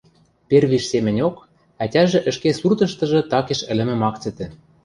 Первиш семӹньок ӓтяжӹ ӹшке суртыштыжы такеш ӹлӹмӹм ак цӹтӹ.